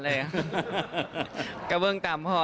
และกับจะร่วมการแสดงสุดพิเศษ